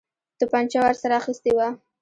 توپنچه ورسره اخیستې وه.